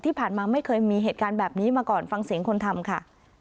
ไม่เคยมีเหตุการณ์แบบนี้มาก่อนฟังเสียงคนทำค่ะ